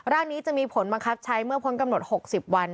ร่างนี้จะมีผลบังคับใช้เมื่อพ้นกำหนด๖๐วัน